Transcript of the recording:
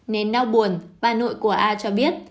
nên đau buồn bà nội của a cho biết